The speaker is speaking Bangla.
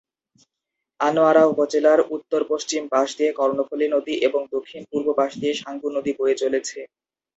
আনোয়ারা উপজেলার উত্তর-পশ্চিম পাশ দিয়ে কর্ণফুলী নদী এবং দক্ষিণ-পূর্ব পাশ দিয়ে সাঙ্গু নদী বয়ে চলেছে।